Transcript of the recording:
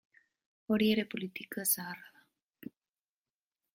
Hori ere politika zaharra da.